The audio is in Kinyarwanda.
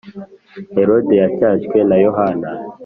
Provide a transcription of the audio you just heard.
Herode yacyashywe na Yohana